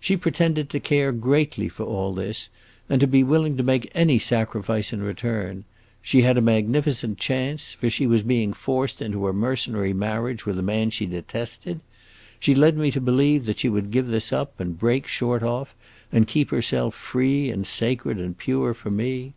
She pretended to care greatly for all this, and to be willing to make any sacrifice in return; she had a magnificent chance, for she was being forced into a mercenary marriage with a man she detested. She led me to believe that she would give this up, and break short off, and keep herself free and sacred and pure for me.